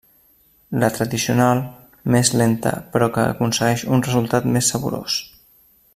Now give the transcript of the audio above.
La tradicional, més lenta però que aconseguix un resultat més saborós.